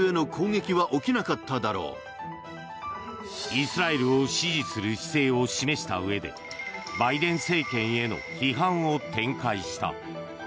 イスラエルを支持する姿勢を示したうえでバイデン政権への批判を展開した。